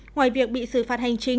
ngoài việc bị xử phạt hành trình